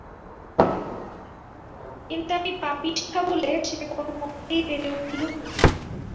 কিন্তু আমি পাপিষ্ঠা বলে সে কোনোমতেই পেরে উঠলুম না।